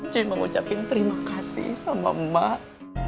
cuy mau ucapin terima kasih sama mak